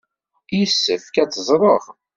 Yessefk ad t-ẓreɣ.